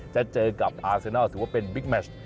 จะเจอกับอาเซนอลถือว่าเป็นบิ๊กแมช